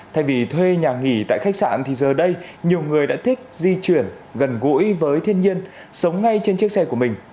thay vì thuê nhà nghỉ tại khách sạn thì giờ đây nhiều người đã thích di chuyển gần gũi với thiên nhiên sống ngay trên chiếc xe của mình